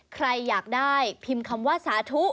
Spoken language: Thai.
ใครอยากได้พิมพ์คำว่าสาธุ